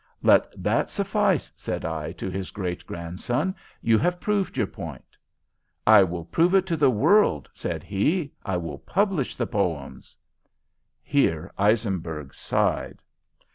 "'Let that suffice,' said I to his great grandson. 'You have proved your point.' "'I will prove it to the world,' said he. 'I will publish the poems.'" Here Eisenberg sighed.